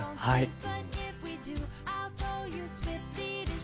はい。